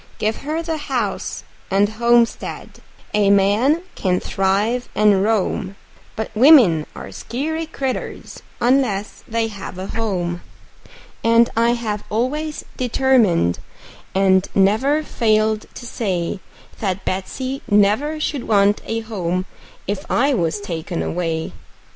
Give her the house and homestead a man can thrive and roam; But women are skeery critters, unless they have a home; And I have always determined, and never failed to say, That Betsey never should want a home if I was taken away.